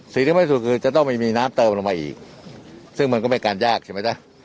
สิ่งที่ไม่สุดคือจะต้องไม่มีน้ำเติมลงมาอีกซึ่งมันก็ไม่การยากใช่ไหมจ๊ะ